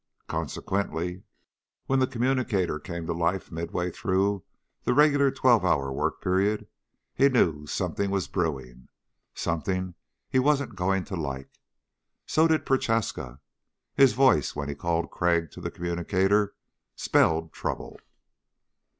Consequently, when the communicator came to life midway through the regular twelve hour work period, he knew something was brewing something he wasn't going to like. So did Prochaska. His voice, when he called Crag to the communicator, spelled trouble.